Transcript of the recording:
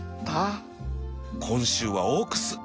今週はオークス。